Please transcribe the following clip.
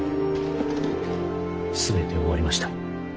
全て終わりました。